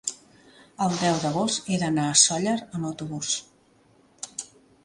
El deu d'agost he d'anar a Sóller amb autobús.